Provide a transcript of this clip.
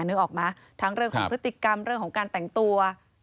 นึกออกไหมทั้งเรื่องของพฤติกรรมเรื่องของการแต่งตัว